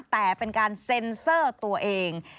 แต่เป็นการเซ็นเซอร์ตัวเอง